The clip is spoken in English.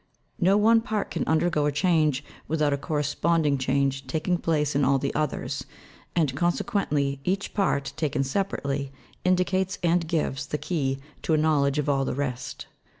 No one part can undergo a change without a corresponding change taking place in all the others ; and, consequently, each part taken separately, indicates and gives the key to a knowledge of all the rest.